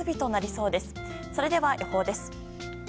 それでは、予報です。